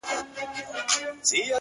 • دونه لا نه یم لیونی هوښیاروې مي ولې,